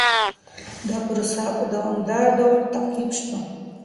دا پروسه په دوامداره ډول تعقيب سوه.